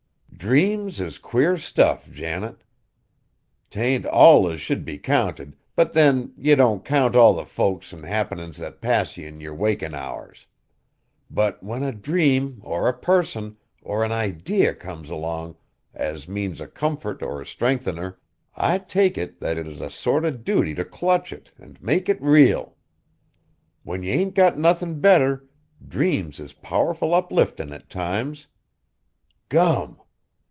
"Dreams is queer stuff, Janet. 'T ain't all as should be counted; but then, ye don't count all the folks an' happenin's that pass ye in yer wakin' hours. But when a dream, or a person, or an idee comes along, as means a comfort or a strengthener, I take it that it is a sort o' duty t' clutch it, an' make it real. When ye ain't got nothin' better, dreams is powerful upliftin' at times. Gum!"